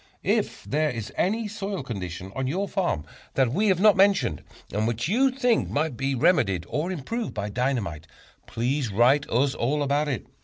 If there is any soil condition on your farm that we have not mentioned, and which you think might be remedied or improved by dynamite, please write us all about it.